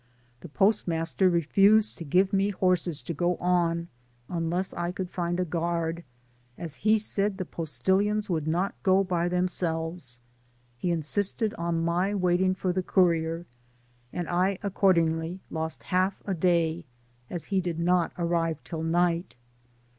The post master refused to give me horses to go on unless I could find a guard, as he said the postilions would not go by themselves; he insisted on my waiting for the "courier, and I accordingly lost half a day, as he did not arrive till night.